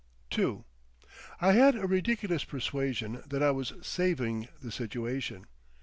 II I had a ridiculous persuasion that I was "saving the situation."